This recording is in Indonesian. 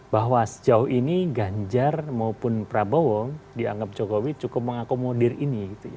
bahwa sejauh ini ganjar maupun prabowo dianggap jokowi cukup mengakomodir ini